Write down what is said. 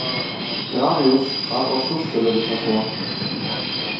Gravius trat auch schriftstellerisch hervor.